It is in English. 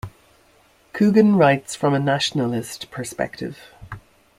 Coogan writes from a nationalist perspective.